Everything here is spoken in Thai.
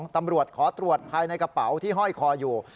ตำรวจขอตรวจภายในกระเป๋าที่ห้อยคออยู่